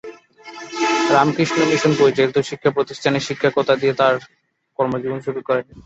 Ramakrishna Mission পরিচালিত শিক্ষাপ্রতিষ্ঠানে শিক্ষকতা দিয়ে তার কর্মজীবন শুরু করেন।